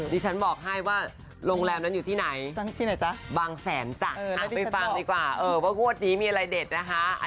นี่ฉันบอกให้ว่าโรงแรมนั้นอยู่ที่ไหนที่ไหนจ๊ะ